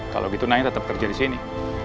kalau gitu naya tetap kerja disini